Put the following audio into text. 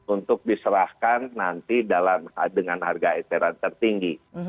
untuk diserahkan nanti dengan harga eceran tertinggi